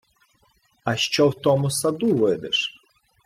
— А що в тому саду видиш?